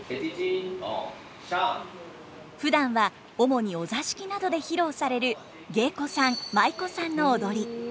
ふだんは主にお座敷などで披露される芸妓さん舞妓さんの踊り。